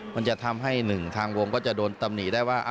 มันจะทำให้หนึ่งทางวงก็จะโดนตำหนิได้ว่า